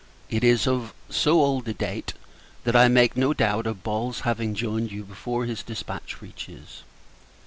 It is of so old a date, that I make no doubt of Ball's having joined you before his dispatch reaches.